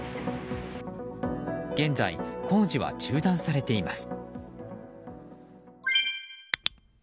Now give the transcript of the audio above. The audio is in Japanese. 現在、工事は中断されています。